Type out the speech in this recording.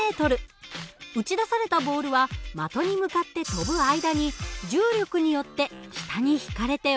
撃ち出されたボールは的に向かって飛ぶ間に重力によって下に引かれて落ちてしまいます。